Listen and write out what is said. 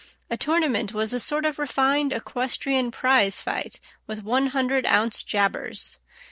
A tournament was a sort of refined equestrian prize fight with one hundred ounce jabbers.